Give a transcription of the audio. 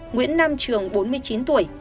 nguyễn nam trường bốn mươi chín tuổi